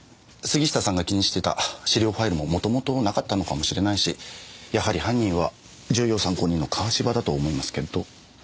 杉下さんが気にしていた資料ファイルも元々なかったのかもしれないしやはり犯人は重要参考人の川芝だと思いますけど。